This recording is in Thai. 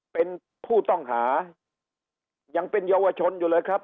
เป็นผู้ต้องหายังเป็นเยาวชนอยู่เลยครับ